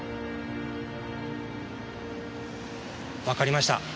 わかりました。